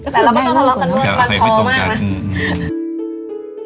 แต่เราก็ต้องทะเลาะกันมากนะ